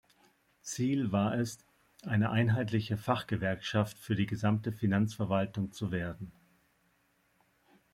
Ziel war es, eine einheitliche Fachgewerkschaft für die gesamte Finanzverwaltung zu werden.